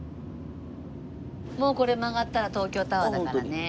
もうこれ曲がったら東京タワーだからね。